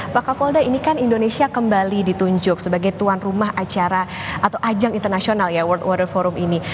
pak kapolda ini kan indonesia kembali ditunjuk sebagai tuan rumah acara atau ajang internasional ya world water forum ini